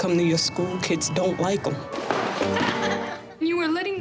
anda datang ke sekolah anak anak tidak menyukainya